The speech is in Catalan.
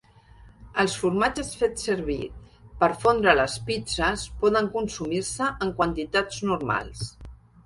Els formatges fets servir per fondre a les pizzes poden consumir-se en quantitats normals.